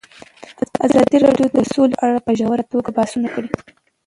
ازادي راډیو د سوله په اړه په ژوره توګه بحثونه کړي.